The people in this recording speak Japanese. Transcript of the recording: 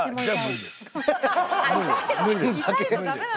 無理です。